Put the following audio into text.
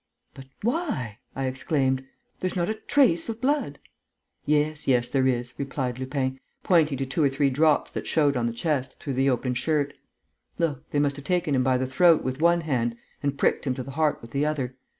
"But why?" I exclaimed. "There's not a trace of blood!" "Yes, yes, there is," replied Lupin, pointing to two or three drops that showed on the chest, through the open shirt. "Look, they must have taken him by the throat with one hand and pricked him to the heart with the other.